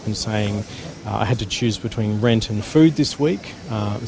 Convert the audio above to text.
menerima dan mengatakan saya harus memilih antara renta dan makanan minggu ini